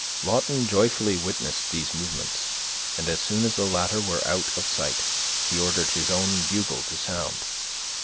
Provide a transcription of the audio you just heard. Lawton joyfully witnessed these movements; and as soon as the latter were out of sight, he ordered his own bugle to sound.